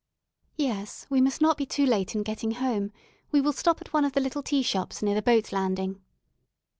"Yes, we must not be too late in getting home; we will stop at one of the little tea shops near the boat landing."